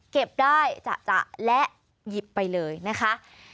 เก็บได้จะและหยิบไปเลยนะคะ